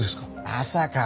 まさか。